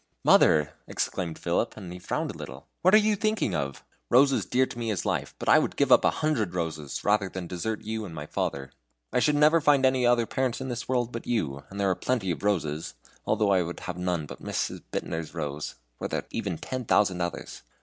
"Mother!" exclaimed Philip, and he frowned a little; "what are you thinking of? Rose is dear to me as my life, but I would give up a hundred Roses rather than desert you and my father. I should never find any other parents in this world but you, but there are plenty of Roses, although I would have none but Mrs. Bittner's Rose, were there even ten thousand others."